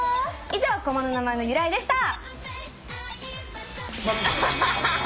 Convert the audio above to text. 以上駒の名前の由来でした！